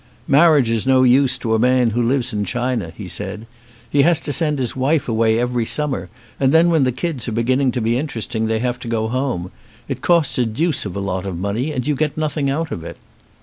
"Marriage is no use to a man who lives in China," he said. "He has to send his wife away every summer and then when the kids are beginning to be interesting they have to go home. It costs a deuce of a lot of money and you get nothing out of it."